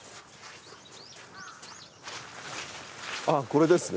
ああこれですね。